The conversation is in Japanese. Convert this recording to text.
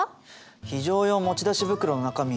非常用持ち出し袋の中身